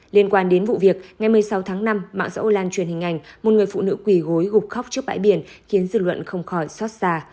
liên quan đến vụ việc ngày một mươi sáu tháng năm mạng xã hội lan truyền hình ảnh một người phụ nữ quỳ gối gục khóc trước bãi biển khiến dư luận không khỏi xót xa